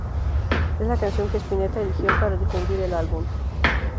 Es la canción que Spinetta eligió para difundir el álbum.